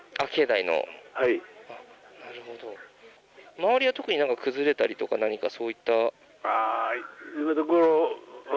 周りは特に崩れたりとか何かそういった。